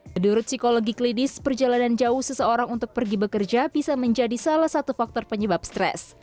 menurut psikologi klinis perjalanan jauh seseorang untuk pergi bekerja bisa menjadi salah satu faktor penyebab stres